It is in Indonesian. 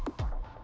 ya tapi gue mau